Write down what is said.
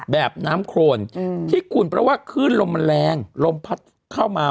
แบบน้ำโครนที่คุณเพราะว่าคลื่นลมมันแรงลมพัดเข้ามา